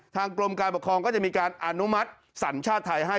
ทางกรมการปกครองก็จะมีการอนุมัติสัญชาติไทยให้